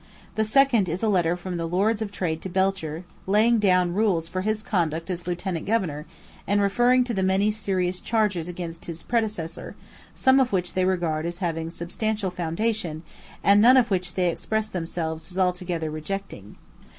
The second is a letter from the Lords of Trade to Belcher laying down rules for his conduct as lieutenant governor and referring to the many serious charges against his predecessor, some of which they regard as having substantial foundation, and none of which they express themselves as altogether rejecting.